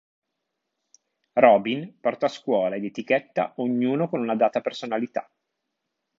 Robin porta a scuola ed etichetta ognuno con una data personalità.